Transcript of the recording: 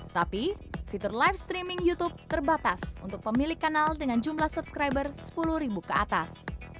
tapi fitur live streaming youtube terbatas untuk pemilik kanal dengan jumlah subscriber sepuluh ribu ke atas